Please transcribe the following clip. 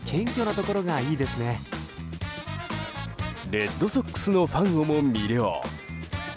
レッドソックスのファンをも魅了。